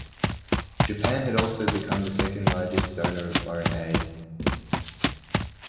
Japan had also become the second largest donor of foreign aid.